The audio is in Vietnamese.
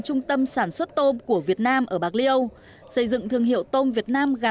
trung tâm sản xuất tôm của việt nam ở bạc liêu xây dựng thương hiệu tôm việt nam gắn